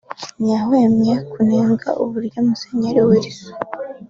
ntiyahwemye kunenga uburyo Musenyeri Wilson